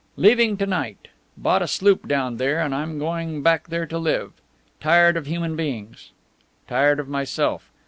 Leaving to night. Bought a sloop down there, and I'm going back there to live. Tired of human beings. Tired of myself.